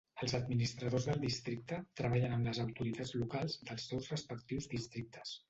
Els administradors del districte treballen amb les autoritats locals dels seus respectius districtes.